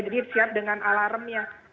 jadi siap dengan alarmnya